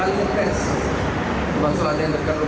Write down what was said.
tapi yang empat puluh meter ini tidak boleh menaruh